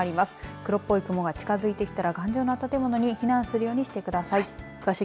黒っぽい雲が近付いてきたら頑丈な建物に避難するようにしてください。